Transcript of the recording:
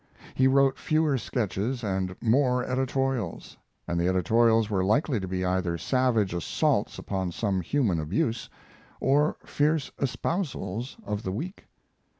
He wrote fewer sketches and more editorials, and the editorials were likely to be either savage assaults upon some human abuse, or fierce espousals of the weak.